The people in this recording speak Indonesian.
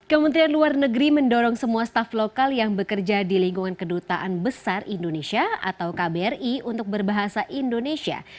kementerian luar negeri mendorong semua staff lokal yang bekerja di lingkungan kedutaan besar indonesia atau kbri untuk berbahasa indonesia